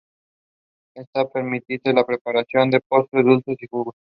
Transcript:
Estas permiten la preparación de postres, dulces y jugos.